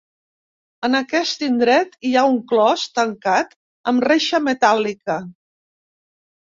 En aquest indret hi ha un clos tancat amb reixa metàl·lica.